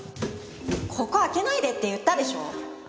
ここ開けないでって言ったでしょ！